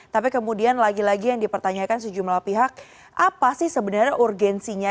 tapi kemudian lagi lagi yang dipertanyakan sejumlah pihak apa sih sebenarnya urgensinya